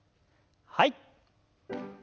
はい。